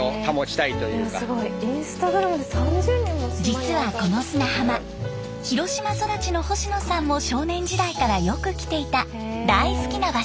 実はこの砂浜広島育ちの星野さんも少年時代からよく来ていた大好きな場所。